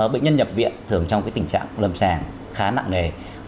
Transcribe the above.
bệnh nhân nhập viện thường trong tình trạng lâm sàng khá nặng nề